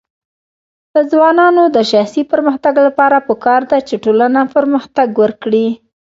د ځوانانو د شخصي پرمختګ لپاره پکار ده چې ټولنه پرمختګ ورکړي.